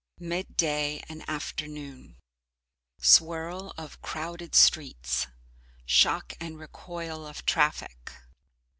Midday and Afternoon Swirl of crowded streets. Shock and recoil of traffic.